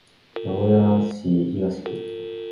名古屋市東区